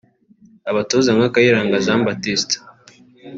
abatoza nka Kayiranga Jean Baptista